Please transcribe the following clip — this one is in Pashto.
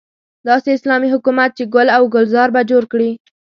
داسې اسلامي حکومت چې ګل او ګلزار به جوړ کړي.